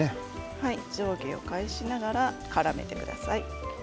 上下を返しながらからめてください。